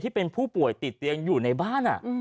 ที่เป็นผู้ป่วยติดเตียงอยู่ในบ้าน